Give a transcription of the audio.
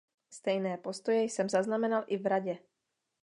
Stejné postoje jsem zaznamenal i v Radě.